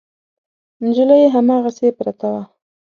نجلۍ هماغسې پرته وه.